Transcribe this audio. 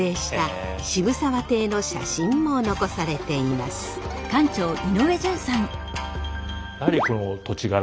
やはりこの土地柄